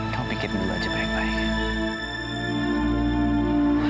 kamu pikir dulu aja baik baik